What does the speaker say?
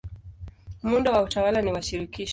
Muundo wa utawala ni wa shirikisho.